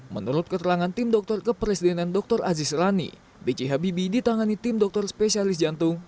menurut keterangan tim dokter kepresidenan dr aziz rani b j habibie ditangani tim dokter spesialis jantung